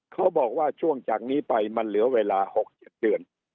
เขาบอกว่าช่วงจากนี้ไปมันเหลือเวลา๖๗เดือน